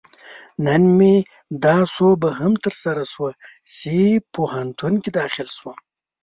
نن مې دا سوبه هم ترسره شوه، چې پوهنتون کې داخل شوم